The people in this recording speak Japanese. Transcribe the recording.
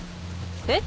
えっ？